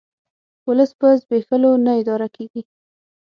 ولس په زبېښولو نه اداره کیږي